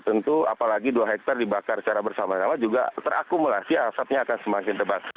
tentu apalagi dua hektare dibakar secara bersama sama juga terakumulasi asapnya akan semakin tebas